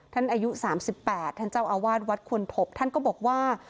ท่านอายุ๓๘ท่านเจ้าอาวาสวัตรขวนทบท่านก็บอกว่า